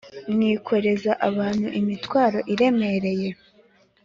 mwikoreza abantu imitwaro iremereye